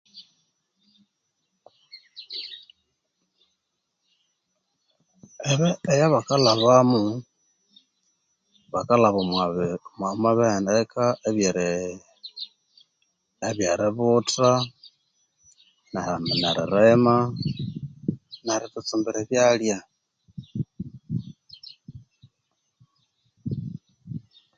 Ebyakalhabamu bakalhaba mwamwa bihendeka ebyeri ebyeributha nerilima neritutsumbira ebyalya